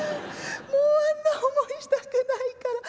もうあんな思いしたくないから。